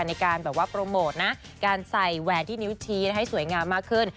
ในการแบบว่าโปรโมทนะการใส่แหวนที่นิ้วชี้ให้สวยงามมากขึ้น